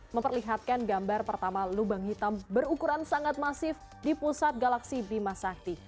memperlihatkan gambar pertama lubang hitam berukuran sangat masif di pusat galaksi bimasakti